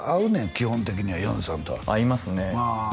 基本的にはヨネさんとは合いますねで